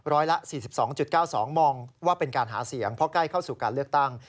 ละ๔๒๙๒มองว่าเป็นการหาเสียงเพราะใกล้เข้าสู่การเลือกตั้ง